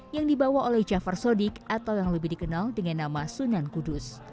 yang dibawa oleh jafar sodik atau yang lebih dikenal dengan nama sunan kudus